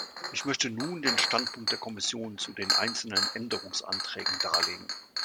Ich möchte nun den Standpunkt der Kommission zu den einzelnen Änderungsanträgen darlegen.